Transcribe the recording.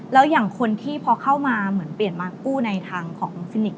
แล้วอย่างคนที่พอเข้ามาเหมือนเปลี่ยนมากู้ในทางของฟินิกส